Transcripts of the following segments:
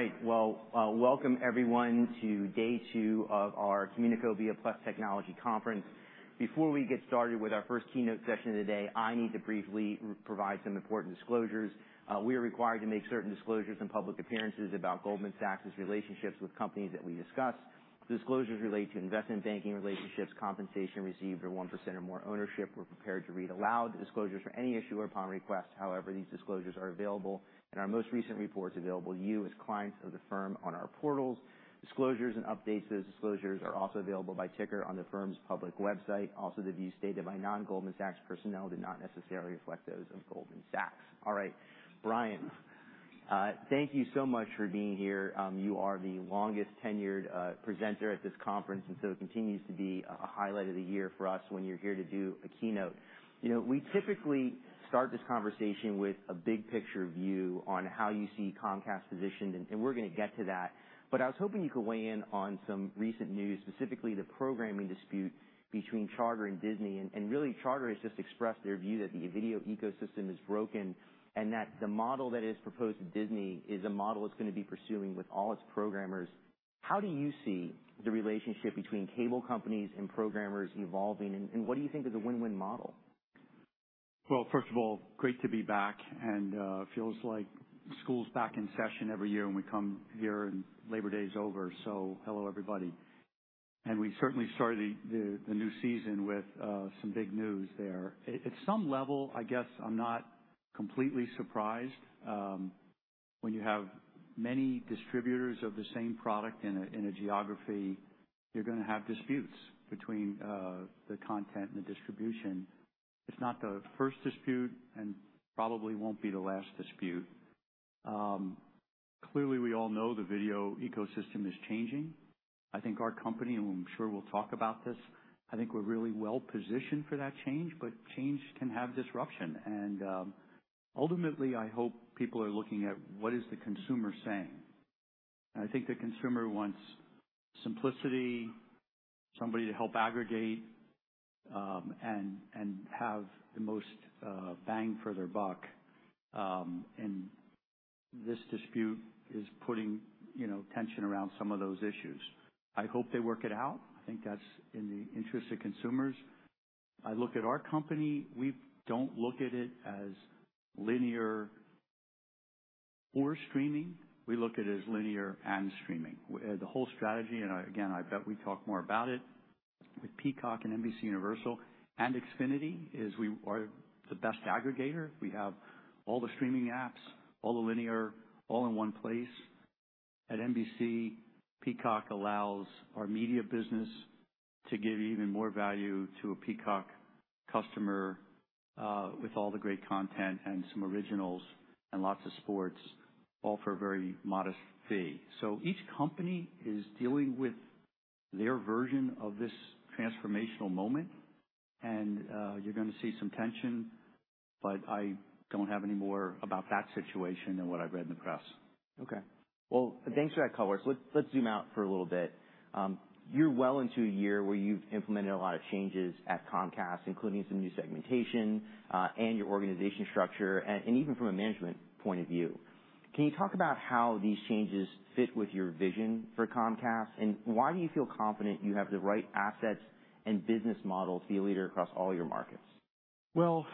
All right. Well, welcome everyone to day two of our Communacopia + Technology Conference. Before we get started with our first keynote session of the day, I need to briefly provide some important disclosures. We are required to make certain disclosures and public appearances about Goldman Sachs's relationships with companies that we discuss. Disclosures relate to investment banking relationships, compensation received, or one percent or more ownership. We're prepared to read aloud the disclosures for any issuer upon request. However, these disclosures are available in our most recent reports available to you as clients of the firm on our portals. Disclosures and updates to those disclosures are also available by ticker on the firm's public website. Also, the views stated by non-Goldman Sachs personnel do not necessarily reflect those of Goldman Sachs. All right, Brian, thank you so much for being here. You are the longest tenured presenter at this conference, and so it continues to be a highlight of the year for us when you're here to do a keynote. You know, we typically start this conversation with a big picture view on how you see Comcast positioned, and we're gonna get to that. But I was hoping you could weigh in on some recent news, specifically the programming dispute between Charter and Disney. And really, Charter has just expressed their view that the video ecosystem is broken, and that the model that is proposed to Disney is a model it's gonna be pursuing with all its programmers. How do you see the relationship between cable companies and programmers evolving, and what do you think is a win-win model? Well, first of all, great to be back, and it feels like school's back in session every year when we come here, and Labor Day is over, so hello, everybody. We certainly started the new season with some big news there. At some level, I guess I'm not completely surprised. When you have many distributors of the same product in a geography, you're gonna have disputes between the content and the distribution. It's not the first dispute and probably won't be the last dispute. Clearly, we all know the video ecosystem is changing. I think our company, and I'm sure we'll talk about this, I think we're really well positioned for that change, but change can have disruption. Ultimately, I hope people are looking at what is the consumer saying. I think the consumer wants simplicity, somebody to help aggregate, and have the most bang for their buck. This dispute is putting, you know, tension around some of those issues. I hope they work it out. I think that's in the interest of consumers. I look at our company. We don't look at it as linear or streaming. We look at it as linear and streaming. The whole strategy, and I again, I bet we talk more about it, with Peacock and NBCUniversal and Xfinity is we are the best aggregator. We have all the streaming apps, all the linear, all in one place. At NBC, Peacock allows our media business to give even more value to a Peacock customer, with all the great content and some originals and lots of sports, all for a very modest fee. So each company is dealing with their version of this transformational moment, and, you're gonna see some tension, but I don't have any more about that situation than what I've read in the press. Okay. Well, thanks for that color. Let's zoom out for a little bit. You're well into a year where you've implemented a lot of changes at Comcast, including some new segmentation, and your organization structure, and even from a management point of view. Can you talk about how these changes fit with your vision for Comcast, and why do you feel confident you have the right assets and business models to be a leader across all your markets? Well,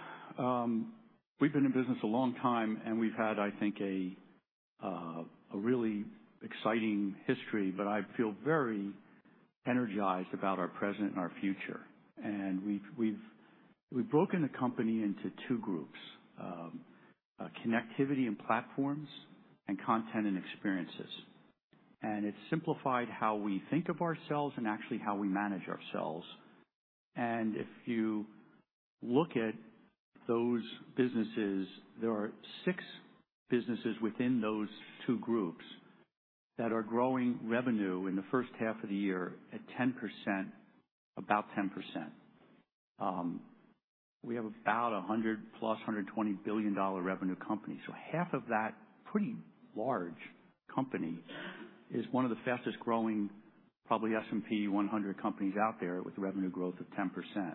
we've been in business a long time, and we've had, I think, a really exciting history, but I feel very energized about our present and our future. We've broken the company into two groups: connectivity and platforms and content and experiences. It's simplified how we think of ourselves and actually how we manage ourselves. If you look at those businesses, there are six businesses within those two groups that are growing revenue in the first half of the year at 10%, about 10%. We have about a $120 billion revenue company, so half of that pretty large company is one of the fastest growing, probably S&P 100 companies out there, with a revenue growth of 10%.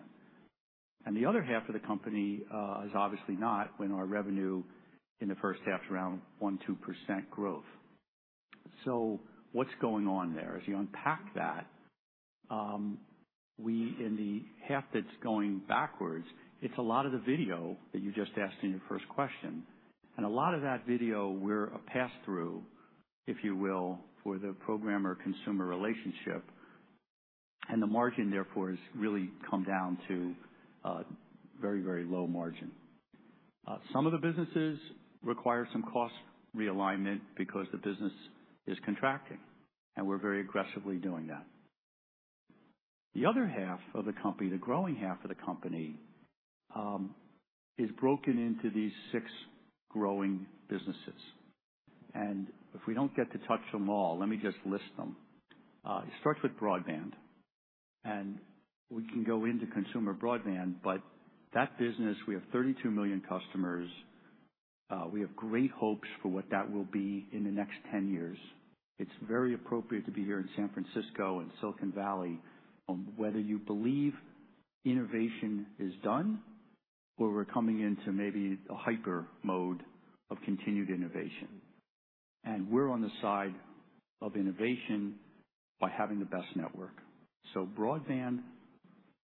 And the other half of the company is obviously not, when our revenue in the first half is around 1%-2% growth. So what's going on there? As you unpack that, in the half that's going backwards, it's a lot of the video that you just asked in your first question. And a lot of that video we're a pass-through, if you will, for the programmer-consumer relationship, and the margin, therefore, has really come down to a very, very low margin. Some of the businesses require some cost realignment because the business is contracting, and we're very aggressively doing that. The other half of the company, the growing half of the company, is broken into these six growing businesses, and if we don't get to touch them all, let me just list them. It starts with broadband, and we can go into consumer broadband, but that business, we have 32 million customers. We have great hopes for what that will be in the next 10 years. It's very appropriate to be here in San Francisco and Silicon Valley on whether you believe innovation is done where we're coming into maybe a hyper mode of continued innovation, and we're on the side of innovation by having the best network. So broadband,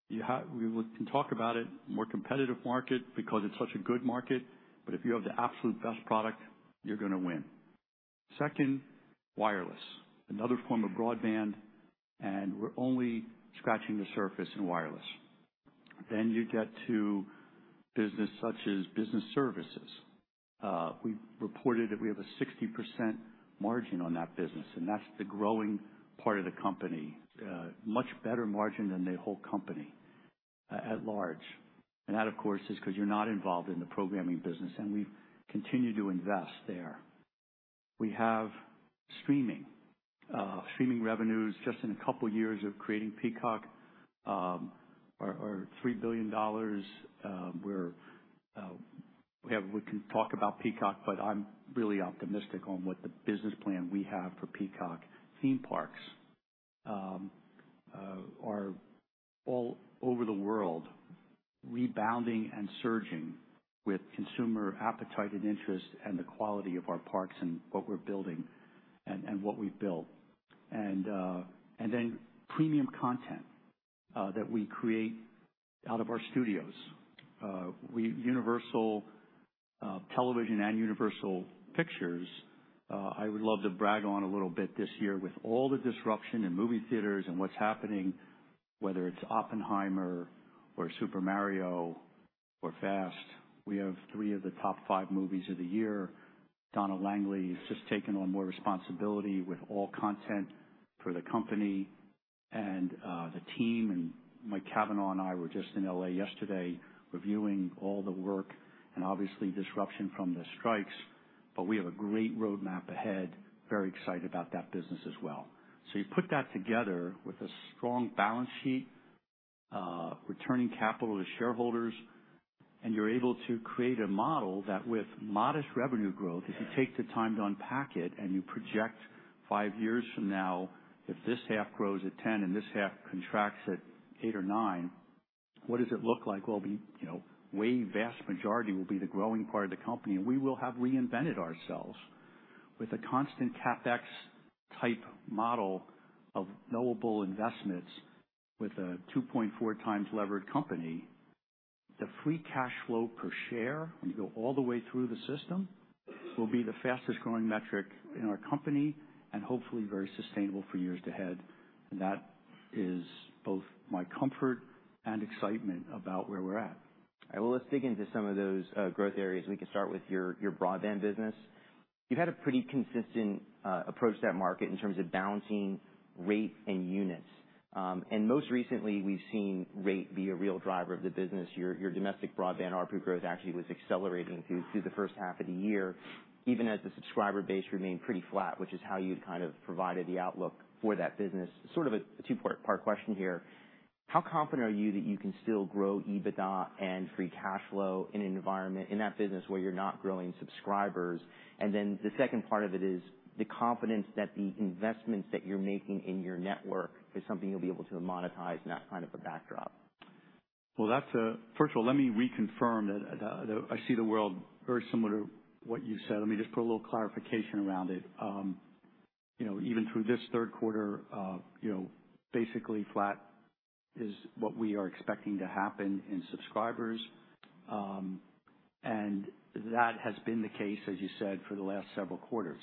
we can talk about it, more competitive market because it's such a good market, but if you have the absolute best product, you're gonna win. Second, wireless, another form of broadband, and we're only scratching the surface in wireless. Then you get to business such as business services. We reported that we have a 60% margin on that business, and that's the growing part of the company. Much better margin than the whole company at large. That, of course, is because you're not involved in the programming business, and we continue to invest there. We have streaming. Streaming revenues just in a couple years of creating Peacock are $3 billion. We can talk about Peacock, but I'm really optimistic on what the business plan we have for Peacock. Theme parks are all over the world, rebounding and surging with consumer appetite and interest and the quality of our parks and what we're building and what we've built. And then premium content that we create out of our studios. Universal Television and Universal Pictures, I would love to brag on a little bit this year. With all the disruption in movie theaters and what's happening, whether it's Oppenheimer or Super Mario or Fast, we have three of the top five movies of the year. Donna Langley has just taken on more responsibility with all content for the company and, the team, and Mike Cavanagh and I were just in L.A. yesterday, reviewing all the work and obviously disruption from the strikes. But we have a great roadmap ahead. Very excited about that business as well. So you put that together with a strong balance sheet, returning capital to shareholders, and you're able to create a model that, with modest revenue growth, if you take the time to unpack it and you project five years from now, if this half grows at 10 and this half contracts at eight or nine, what does it look like? Well, you know, the vast majority will be the growing part of the company, and we will have reinvented ourselves with a constant CapEx-type model of knowable investments with a 2.4x levered company. The free cash flow per share, when you go all the way through the system, will be the fastest-growing metric in our company and hopefully very sustainable for years ahead. That is both my comfort and excitement about where we're at. All right, well, let's dig into some of those growth areas. We can start with your broadband business. You've had a pretty consistent approach to that market in terms of balancing rate and units. Most recently, we've seen rate be a real driver of the business. Your domestic broadband ARPU growth actually was accelerating through the first half of the year, even as the subscriber base remained pretty flat, which is how you'd kind of provided the outlook for that business. Sort of a two-part question here: How confident are you that you can still grow EBITDA and free cash flow in an environment, in that business, where you're not growing subscribers? And then the second part of it is the confidence that the investments that you're making in your network is something you'll be able to monetize in that kind of a backdrop. Well, that's a... First of all, let me reconfirm that, the - I see the world very similar to what you said. Let me just put a little clarification around it. You know, even through this third quarter, you know, basically flat is what we are expecting to happen in subscribers. And that has been the case, as you said, for the last several quarters.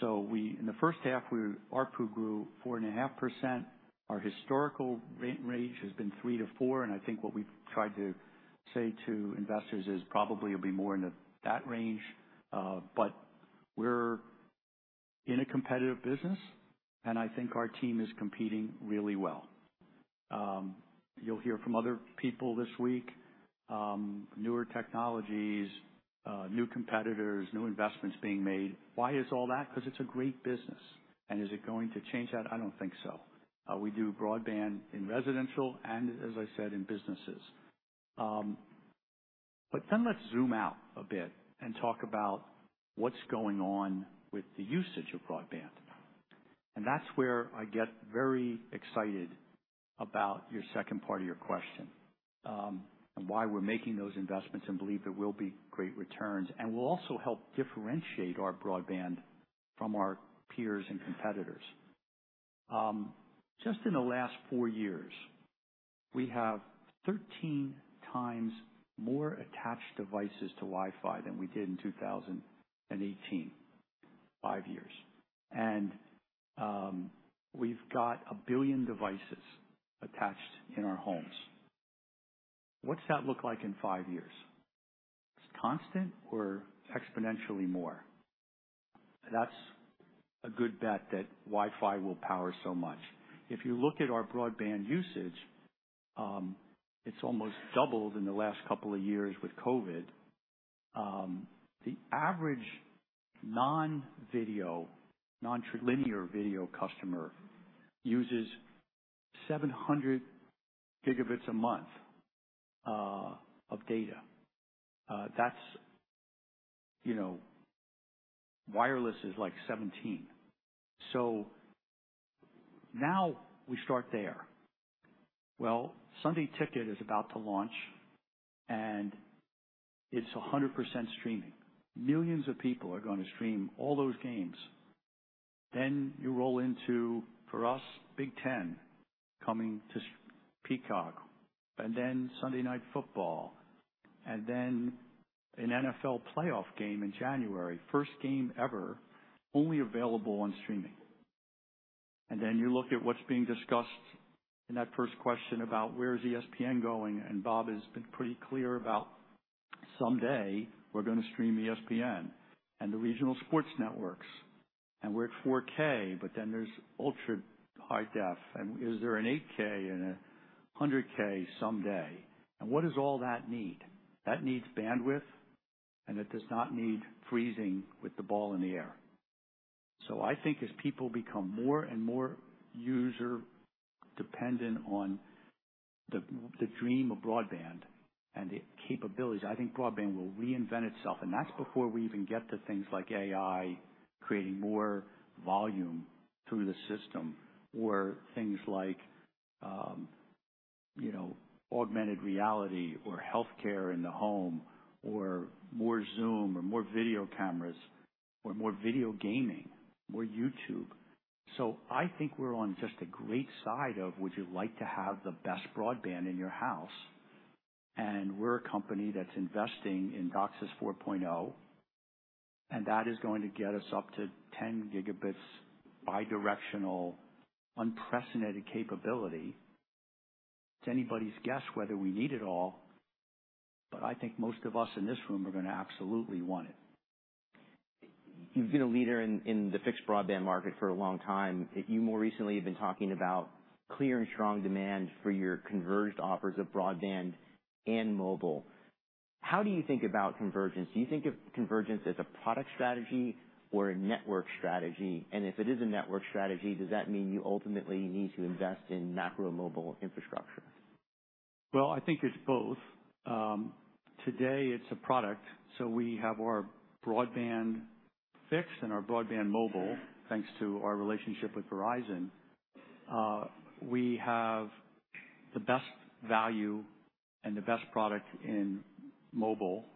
So in the first half, we, ARPU grew 4.5%. Our historical range has been 3%-4%, and I think what we've tried to say to investors is probably it'll be more into that range. But we're in a competitive business, and I think our team is competing really well. You'll hear from other people this week, newer technologies, new competitors, new investments being made. Why is all that? Because it's a great business. Is it going to change that? I don't think so. We do broadband in residential and, as I said, in businesses. But then let's zoom out a bit and talk about what's going on with the usage of broadband. And that's where I get very excited about your second part of your question, and why we're making those investments and believe there will be great returns, and will also help differentiate our broadband from our peers and competitors. Just in the last four years, we have 13 times more attached devices to Wi-Fi than we did in 2018, five years. And we've got a billion devices attached in our homes. What's that look like in five years? It's constant or exponentially more? That's a good bet that Wi-Fi will power so much. If you look at our broadband usage, it's almost doubled in the last couple of years with COVID. The average non-video, non-linear video customer uses 700 gigabits a month of data. That's... You know, wireless is, like, 17. Now we start there. Well, Sunday Ticket is about to launch, and it's 100% streaming. Millions of people are going to stream all those games. Then you roll into, for us, Big Ten coming to Peacock, and then Sunday Night Football, and then an NFL playoff game in January. First game ever, only available on streaming. Then you look at what's being discussed in that first question about where is ESPN going, and Bob has been pretty clear about someday we're gonna stream ESPN, and the regional sports networks, and we're at 4K, but then there's ultra high def, and is there an 8K and 100K someday? And what does all that need? That needs bandwidth, and it does not need freezing with the ball in the air. So I think as people become more and more user-dependent on the dream of broadband and the capabilities, I think broadband will reinvent itself. And that's before we even get to things like AI, creating more volume through the system, or things like, you know, augmented reality or healthcare in the home, or more Zoom or more video cameras or more video gaming, more YouTube. So I think we're on just a great side of: Would you like to have the best broadband in your house? We're a company that's investing in DOCSIS 4.0, and that is going to get us up to 10 gigabits bidirectional, unprecedented capability. It's anybody's guess whether we need it all, but I think most of us in this room are gonna absolutely want it. You've been a leader in the fixed broadband market for a long time. You more recently have been talking about clear and strong demand for your converged offers of broadband and mobile. How do you think about convergence? Do you think of convergence as a product strategy or a network strategy? And if it is a network strategy, does that mean you ultimately need to invest in macro mobile infrastructure? Well, I think it's both. Today it's a product, so we have our broadband fixed and our broadband mobile, thanks to our relationship with Verizon. We have the best value and the best product in mobile,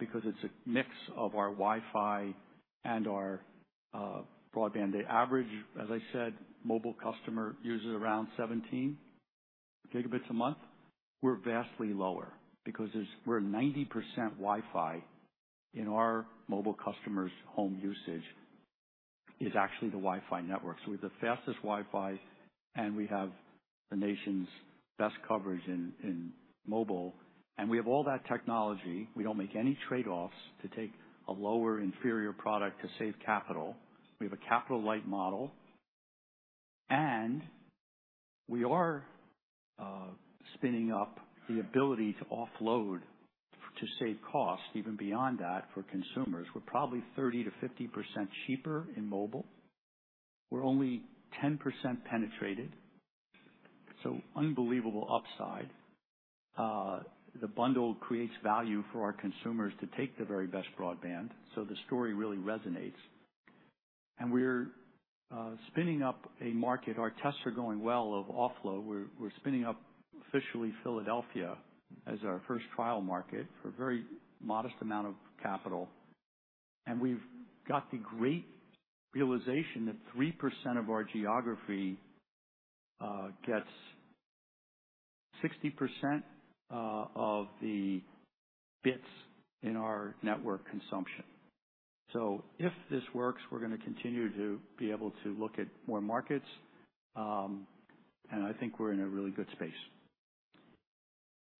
because it's a mix of our Wi-Fi and our broadband. The average, as I said, mobile customer uses around 17Gb a month. We're vastly lower because there's-- we're 90% Wi-Fi in our mobile customers' home usage is actually the Wi-Fi network. So we have the fastest Wi-Fi, and we have the nation's best coverage in mobile, and we have all that technology. We don't make any trade-offs to take a lower, inferior product to save capital. We have a capital-light model, and we are spinning up the ability to offload to save costs even beyond that for consumers. We're probably 30%-50% cheaper in mobile. We're only 10% penetrated, so unbelievable upside. The bundle creates value for our consumers to take the very best broadband, so the story really resonates. And we're spinning up a market. Our tests are going well of offload. We're spinning up officially Philadelphia as our first trial market for a very modest amount of capital. And we've got the great realization that 3% of our geography gets 60% of the bits in our network consumption. So if this works, we're gonna continue to be able to look at more markets, and I think we're in a really good space.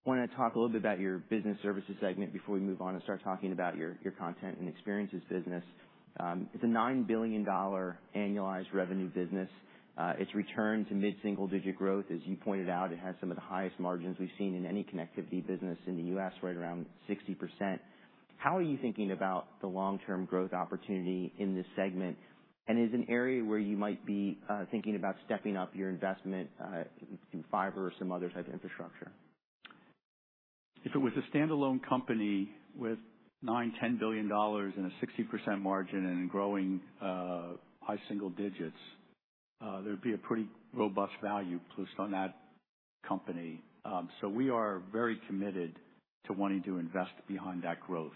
I want to talk a little bit about your business services segment before we move on and start talking about your content and experiences business. It's a $9 billion annualized revenue business. It's returned to mid-single digit growth. As you pointed out, it has some of the highest margins we've seen in any connectivity business in the U.S., right around 60%. How are you thinking about the long-term growth opportunity in this segment? And is it an area where you might be thinking about stepping up your investment in fiber or some other type of infrastructure? If it was a standalone company with $9 billion-$10 billion and a 60% margin and growing high single digits, there'd be a pretty robust value placed on that company. So we are very committed to wanting to invest behind that growth.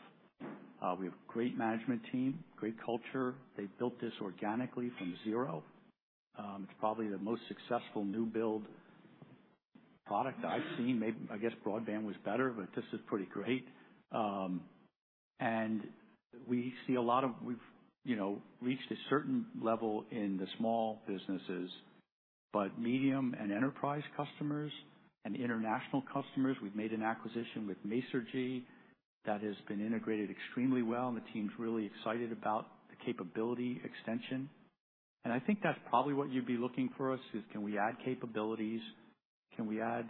We have a great management team, great culture. They've built this organically from zero. It's probably the most successful new build product I've seen. I guess broadband was better, but this is pretty great. And we see a lot of... We've, you know, reached a certain level in the small businesses, but medium and enterprise customers and international customers, we've made an acquisition with Masergy that has been integrated extremely well, and the team's really excited about the capability extension. And I think that's probably what you'd be looking for us, is can we add capabilities? Can we add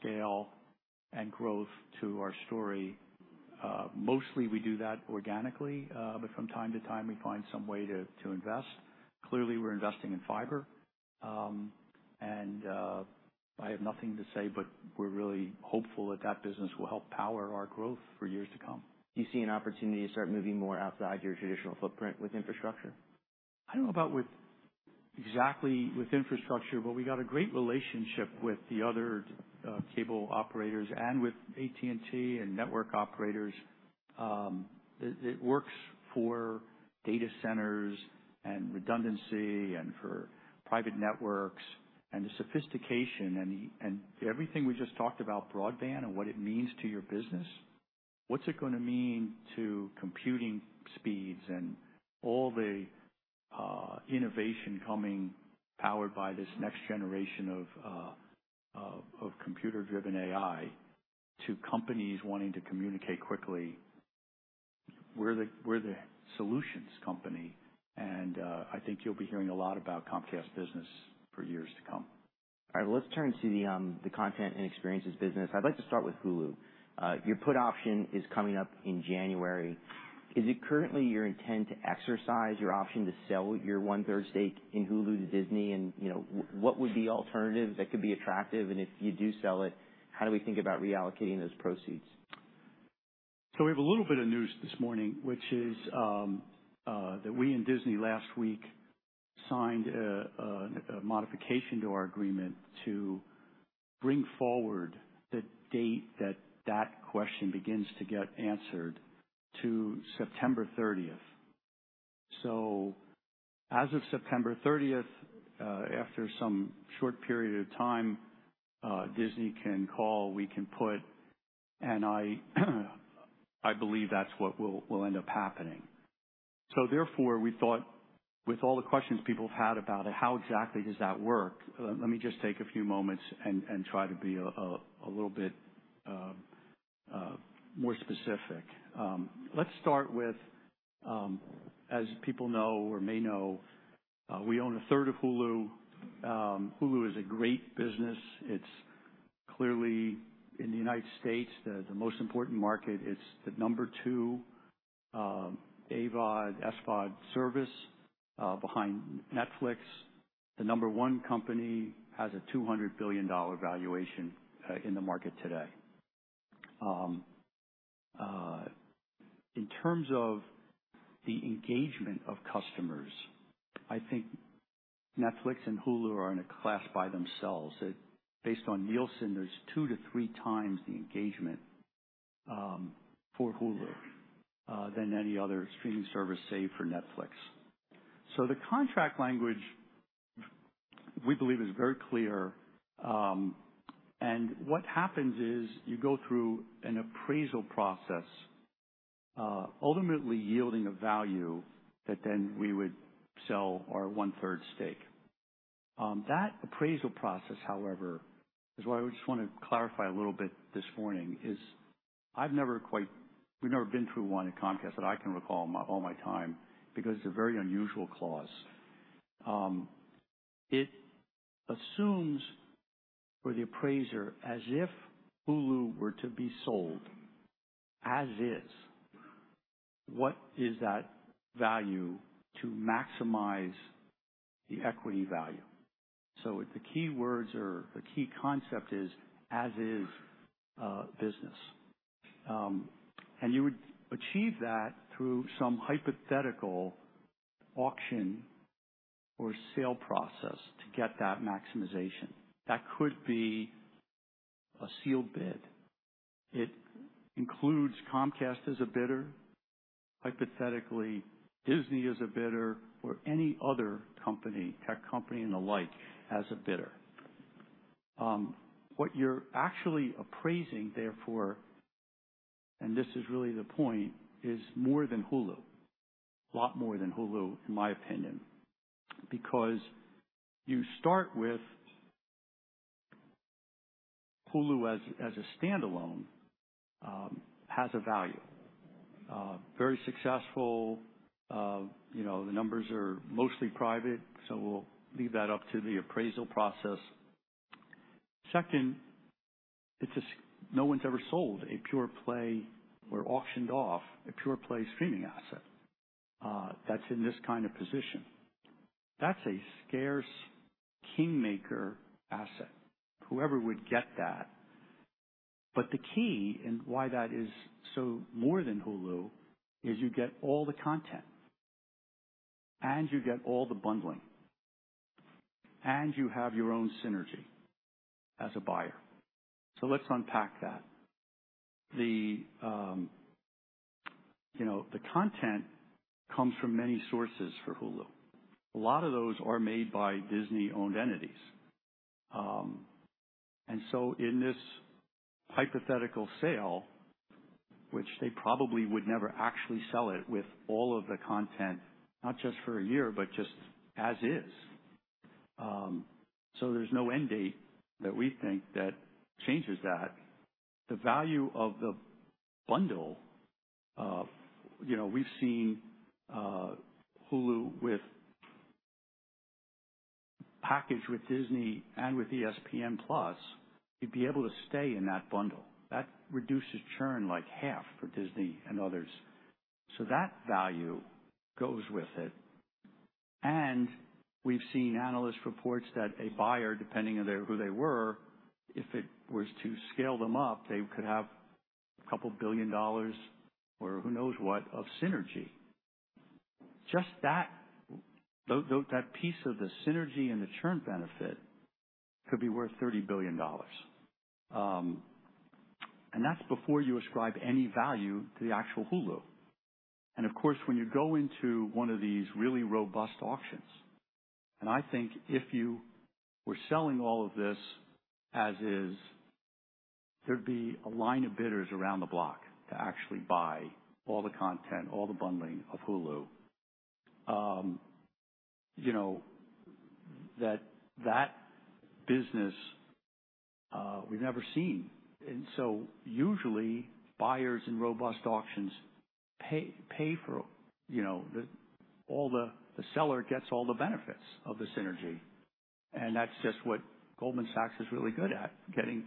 scale and growth to our story? Mostly we do that organically, but from time to time, we find some way to invest. Clearly, we're investing in fiber. And, I have nothing to say, but we're really hopeful that that business will help power our growth for years to come. Do you see an opportunity to start moving more outside your traditional footprint with infrastructure? I don't know about with exactly with infrastructure, but we got a great relationship with the other cable operators and with AT&T and network operators. It works for data centers and redundancy and for private networks, and the sophistication and everything we just talked about broadband and what it means to your business, what's it gonna mean to computing speeds and all the innovation coming powered by this next generation of computer-driven AI to companies wanting to communicate quickly? We're the solutions company, and I think you'll be hearing a lot about Comcast Business for years to come. All right. Well, let's turn to the, the content and experiences business. I'd like to start with Hulu. Your put option is coming up in January. Is it currently your intent to exercise your option to sell your 1/3 stake in Hulu to Disney? And, you know, what would be alternative that could be attractive? And if you do sell it, how do we think about reallocating those proceeds? So we have a little bit of news this morning, which is that we and Disney last week signed a modification to our agreement to bring forward the date that that question begins to get answered to September thirtieth. So as of September thirtieth, after some short period of time, Disney can call, we can put... And I believe that's what will end up happening. So therefore, we thought with all the questions people have had about it, how exactly does that work? Let me just take a few moments and try to be a little bit more specific. Let's start with, as people know or may know, we own a third of Hulu. Hulu is a great business. It's clearly in the United States, the most important market. It's the number two AVOD, SVOD service behind Netflix. The number one company has a $200 billion valuation in the market today. In terms of the engagement of customers, I think Netflix and Hulu are in a class by themselves. Based on Nielsen, there's two-three times the engagement for Hulu than any other streaming service, save for Netflix. So the contract language, we believe is very clear. And what happens is, you go through an appraisal process, ultimately yielding a value that then we would sell our 1/3 stake. That appraisal process, however, is what I just want to clarify a little bit this morning, we've never been through one at Comcast that I can recall, all my time, because it's a very unusual clause. It assumes for the appraiser, as if Hulu were to be sold as is, what is that value to maximize the equity value? So the key words or the key concept is as-is business. And you would achieve that through some hypothetical auction or sale process to get that maximization. That could be a sealed bid. It includes Comcast as a bidder. Hypothetically, Disney is a bidder or any other company, tech company, and the like, as a bidder. What you're actually appraising, therefore, and this is really the point, is more than Hulu. A lot more than Hulu, in my opinion, because you start with Hulu as a standalone has a value. Very successful, you know, the numbers are mostly private, so we'll leave that up to the appraisal process. Second, it's just no one's ever sold a pure play or auctioned off a pure play streaming asset, that's in this kind of position. That's a scarce kingmaker asset, whoever would get that. But the key in why that is so more than Hulu is you get all the content, and you get all the bundling, and you have your own synergy as a buyer. So let's unpack that. The, you know, the content comes from many sources for Hulu. A lot of those are made by Disney-owned entities. And so in this hypothetical sale, which they probably would never actually sell it with all of the content, not just for a year, but just as is. So there's no end date that we think that changes that. The value of the bundle, you know, we've seen, Hulu with package with Disney and with ESPN+, you'd be able to stay in that bundle. That reduces churn like half for Disney and others. So that value goes with it. And we've seen analyst reports that a buyer, depending on who they were, if it was to scale them up, they could have $2 billion, or who knows what, of synergy. Just that, that piece of the synergy and the churn benefit could be worth $30 billion. And that's before you ascribe any value to the actual Hulu. Of course, when you go into one of these really robust auctions, and I think if you were selling all of this as is, there'd be a line of bidders around the block to actually buy all the content, all the bundling of Hulu. You know, that business we've never seen. So usually, buyers in robust auctions pay for, you know, the seller gets all the benefits of the synergy, and that's just what Goldman Sachs is really good at getting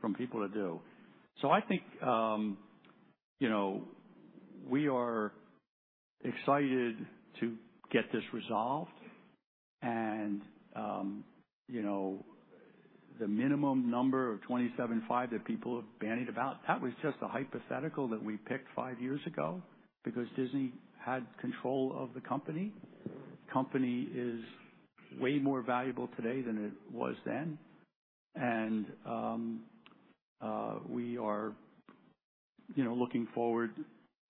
from people to do. So I think, you know, we are excited to get this resolved. You know, the minimum number of $27.5 billion that people have bandied about, that was just a hypothetical that we picked five years ago because Disney had control of the company. The company is way more valuable today than it was then. We are, you know, looking forward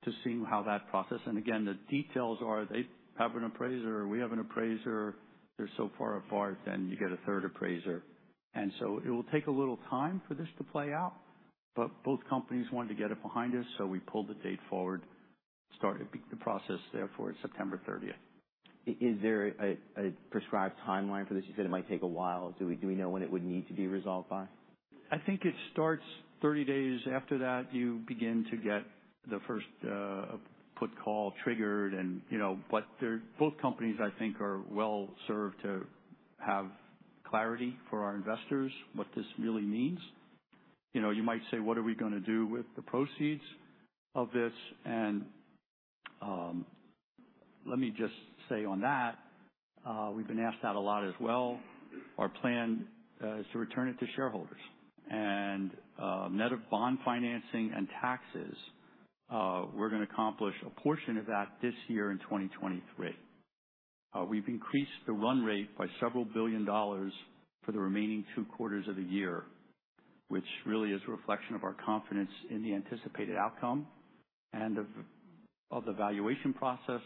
to seeing how that process... And again, the details are they have an appraiser, we have an appraiser. They're so far apart, then you get a third appraiser. And so it will take a little time for this to play out, but both companies wanted to get it behind us, so we pulled the date forward, started the process therefore, September thirtieth. Is there a prescribed timeline for this? You said it might take a while. Do we know when it would need to be resolved by? I think it starts 30 days. After that, you begin to get the first put call triggered and, you know, but they're both companies, I think, are well served to have clarity for our investors, what this really means. You know, you might say: What are we gonna do with the proceeds of this? Let me just say on that, we've been asked that a lot as well. Our plan is to return it to shareholders. Net of bond financing and taxes, we're gonna accomplish a portion of that this year in 2023. We've increased the run rate by several billion dollars for the remaining two quarters of the year, which really is a reflection of our confidence in the anticipated outcome and of the valuation process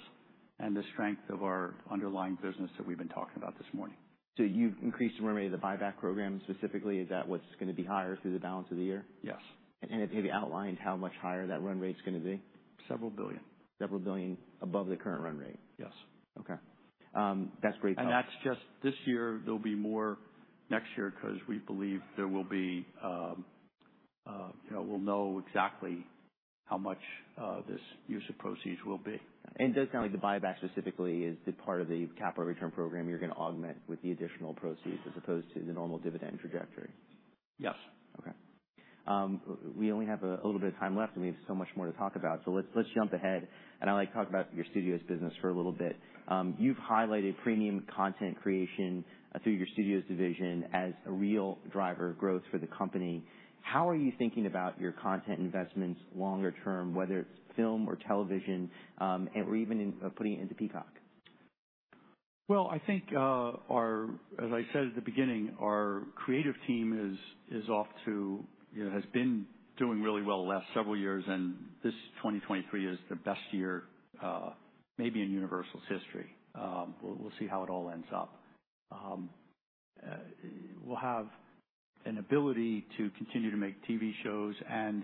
and the strength of our underlying business that we've been talking about this morning. So you've increased the run rate of the buyback program specifically? Is that what's gonna be higher through the balance of the year? Yes. And have you outlined how much higher that run rate's gonna be? Several billion. Several billion dollars above the current run rate? Yes. Okay. That's great- That's just this year. There'll be more next year 'cause we believe there will be, you know, we'll know exactly how much this use of proceeds will be. It does sound like the buyback specifically is the part of the capital return program you're gonna augment with the additional proceeds, as opposed to the normal dividend trajectory. Yes. Okay. We only have a little bit of time left, and we have so much more to talk about, so let's jump ahead, and I'd like to talk about your studios business for a little bit. You've highlighted premium content creation through your studios division as a real driver of growth for the company. How are you thinking about your content investments longer term, whether it's film or television, and or even in putting it into Peacock? Well, I think, as I said at the beginning, our creative team is off to, you know, has been doing really well the last several years, and this 2023 is the best year, maybe in Universal's history. We'll see how it all ends up. We'll have an ability to continue to make TV shows and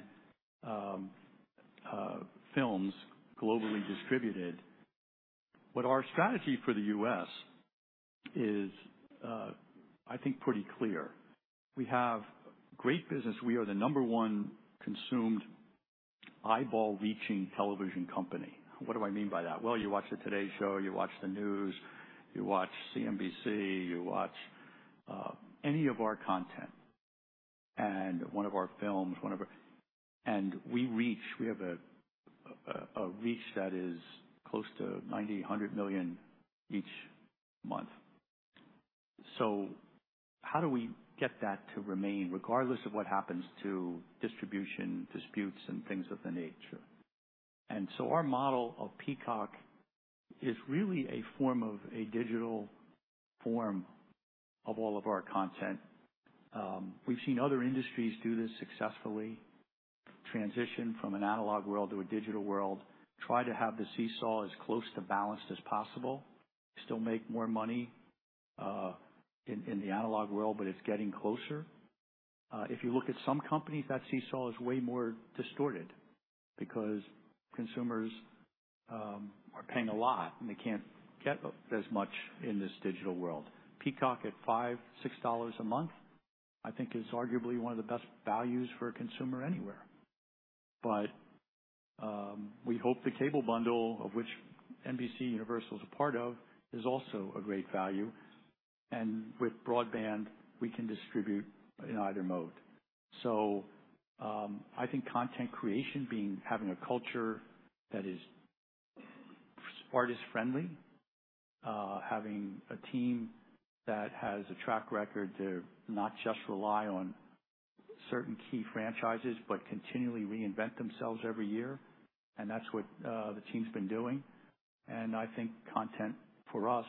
films globally distributed. But our strategy for the U.S. is, I think, pretty clear. We have great business. We are the number one consumed eyeball-reaching television company. What do I mean by that? Well, you watch the Today Show, you watch the news, you watch CNBC, you watch any of our content and one of our films, and we reach, we have a reach that is close to 90-100 million each month. So how do we get that to remain, regardless of what happens to distribution disputes and things of that nature? Our model of Peacock is really a form of a digital form of all of our content. We've seen other industries do this successfully, transition from an analog world to a digital world, try to have the seesaw as close to balanced as possible. Still make more money in the analog world, but it's getting closer. If you look at some companies, that seesaw is way more distorted because consumers are paying a lot, and they can't get as much in this digital world. Peacock at $5-$6 a month, I think is arguably one of the best values for a consumer anywhere. We hope the cable bundle, of which NBCUniversal is a part of, is also a great value, and with broadband, we can distribute in either mode. I think content creation being, having a culture that is artist-friendly, having a team that has a track record to not just rely on certain key franchises, but continually reinvent themselves every year. That's what the team's been doing. I think content for us,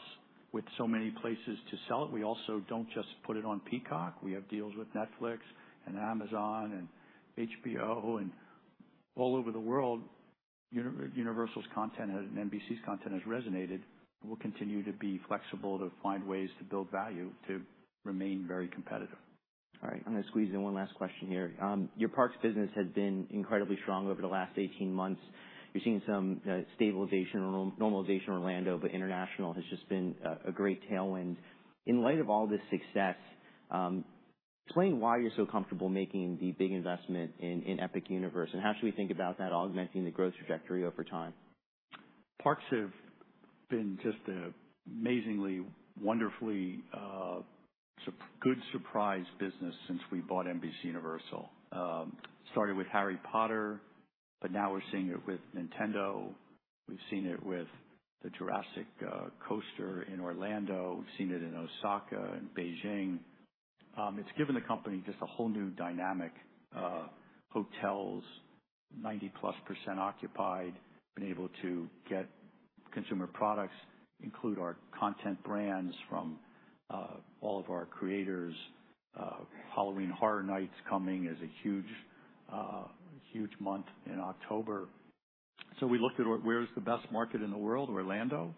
with so many places to sell it, we also don't just put it on Peacock. We have deals with Netflix and Amazon and HBO and all over the world. Universal's content and NBC's content has resonated, and we'll continue to be flexible to find ways to build value, to remain very competitive. All right. I'm gonna squeeze in one last question here. Your parks business has been incredibly strong over the last 18 months. We've seen some stabilization or normalization in Orlando, but international has just been a great tailwind. In light of all this success, explain why you're so comfortable making the big investment in Epic Universe, and how should we think about that augmenting the growth trajectory over time? Parks have been just an amazingly, wonderfully, good surprise business since we bought NBCUniversal. Started with Harry Potter, but now we're seeing it with Nintendo. We've seen it with the Jurassic Coaster in Orlando. We've seen it in Osaka and Beijing. It's given the company just a whole new dynamic. Hotels, 90%+ occupied. Been able to get consumer products, include our content brands from all of our creators. Halloween Horror Nights coming, is a huge, huge month in October. So we looked at where, where's the best market in the world? Orlando.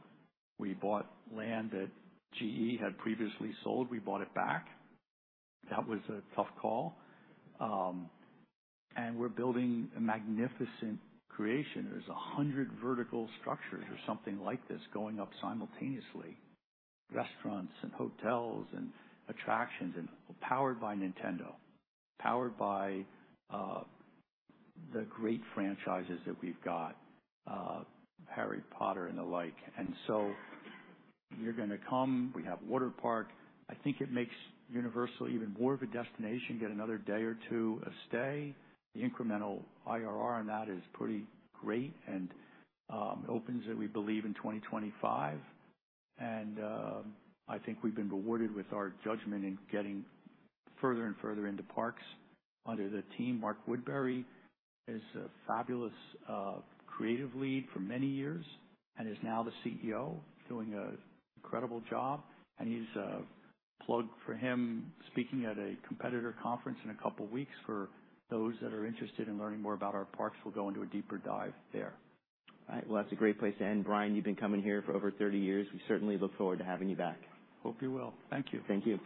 We bought land that GE had previously sold. We bought it back. That was a tough call. We're building a magnificent creation. There's 100 vertical structures or something like this, going up simultaneously. Restaurants and hotels and attractions, and powered by Nintendo, powered by the great franchises that we've got, Harry Potter and the like. And so you're gonna come. We have a water park. I think it makes Universal even more of a destination, get another day or two of stay. The incremental IRR on that is pretty great and opens that we believe in 2025. And I think we've been rewarded with our judgment in getting further and further into parks under the team. Mark Woodbury is a fabulous creative lead for many years and is now the CEO, doing an incredible job, and he's plug for him, speaking at a competitor conference in a couple of weeks. For those that are interested in learning more about our parks, we'll go into a deeper dive there. All right. Well, that's a great place to end. Brian, you've been coming here for over 30 years. We certainly look forward to having you back. Hope you will. Thank you. Thank you.